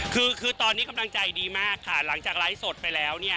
คือคือตอนนี้กำลังใจดีมากค่ะหลังจากไลฟ์สดไปแล้วเนี่ย